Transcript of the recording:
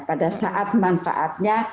pada saat manfaatnya